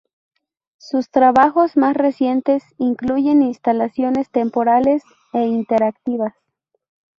Sus trabajos más recientes incluyen instalaciones temporales e interactivas.